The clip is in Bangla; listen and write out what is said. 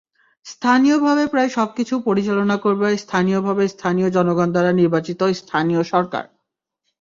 স্থানীয়ভাবে প্রায় সবকিছু পরিচালনা করবে স্থানীয়ভাবে স্থানীয় জনগণ দ্বারা নির্বাচিত স্থানীয় সরকার।